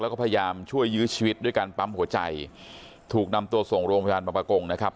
แล้วก็พยายามช่วยยื้อชีวิตด้วยการปั๊มหัวใจถูกนำตัวส่งโรงพยาบาลบรรพกงนะครับ